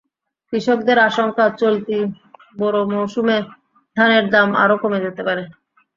কৃষকদের আশঙ্কা, চলতি বোরো মৌসুমে ধানের দাম আরও কমে যেতে পারে।